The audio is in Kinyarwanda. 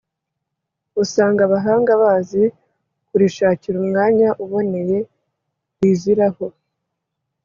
usanga abahanga bazi kurishakira umwanya uboneye riziraho